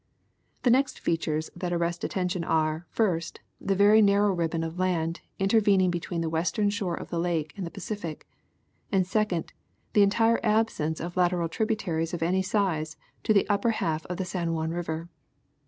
The next features that arrest attention are, first, the very narrow ribbon of land intervening between the western shore of the Lake and the Pacific, and second, the entire absence of lateral tributaries of any size to the upjjer half of the San Juan River.